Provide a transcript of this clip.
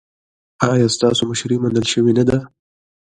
ایا ستاسو مشري منل شوې نه ده؟